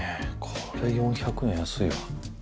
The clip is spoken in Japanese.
これ４００円安いわ。